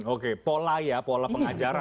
oke pola ya pola pengajaran